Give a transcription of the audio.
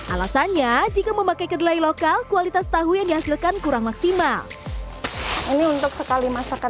alasannya jika memakai kedelai lokal kualitas tahu yang dihasilkan kurang maksimal